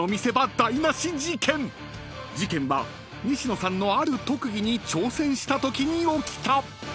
［事件は西野さんのある特技に挑戦したときに起きた］